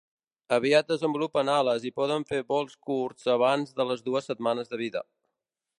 Aviat desenvolupen ales i poden fer vols curts abans de les dues setmanes de vida.